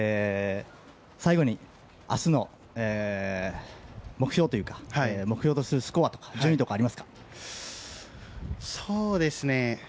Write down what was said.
最後に明日の目標とするスコアとか順位とか、ありますか？